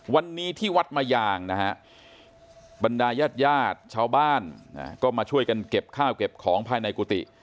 วันนี้ที่วัดมะยางนะฮะบรรดายาดชาวบ้านก็มาช่วยกันเก็บข้าวเก็บของภายในกุฏิ